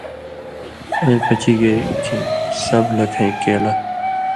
اَیں پچی گے کھیں سم لکھَیں کیلہ